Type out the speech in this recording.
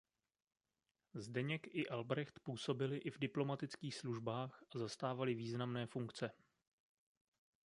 Zdeněk i Albrecht působili i v diplomatických službách a zastávali významné funkce.